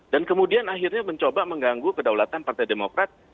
dan kemudian akhirnya mencoba mengganggu kedaulatan partai demokrat